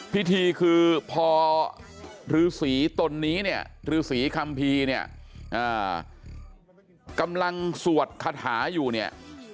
พิธีคือพอฤษีตนนี้เนี่ยฤษีคัมภีร์เนี่ยกำลังสวดคาถาอยู่เนี่ย